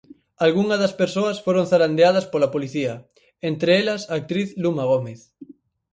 Algunha das persoas foron zarandeadas pola policía, entre elas a actriz Luma Gómez.